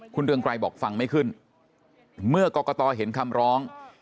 คุณเรืองไกรบอกฟังไม่ขึ้นเมื่อกรกตเห็นคำร้อง